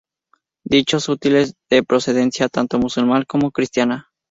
Dichos útiles son de procedencia tanto musulmán como cristiana.